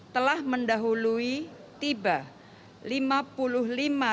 telah mendahului tiba lima puluh lima vaksin astrazeneca